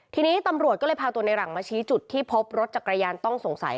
ทีนี้ตำรวจก็เลยพาตัวในหลังมาชี้จุดที่พบรถจักรยานต้องสงสัย